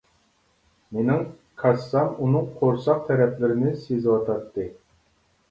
مېنىڭ كاسسام ئۇنىڭ قۇرساق تەرەپلىرىنى سېزىۋاتاتتى.